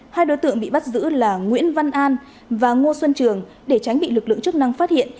hai đối tượng bị bắt giữ là nguyễn văn an và ngô xuân trường để tránh bị lực lượng chức năng phát hiện